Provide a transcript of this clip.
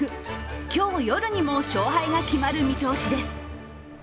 今日、夜にも勝敗が決まる見通しです。